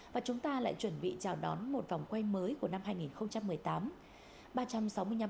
và chúng ta lại chuẩn bị chào đón một vòng quay mới của năm hai nghìn một mươi tám